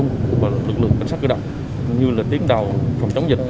như là tiếng đào phòng chống dịch